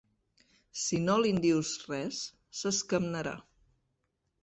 Si no li'n dius res, s'escamnarà.